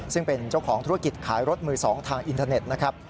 ซึ่งเป็นเจ้าของธุรกิจขายรถมือ๒ทางอินเทอร์เน็ตนะครับ